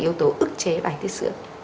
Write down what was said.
yếu tố ức chế bánh thuyết sữa